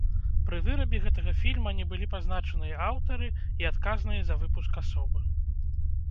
Пры вырабе гэтага фільма не былі пазначаныя аўтары і адказныя за выпуск асобы.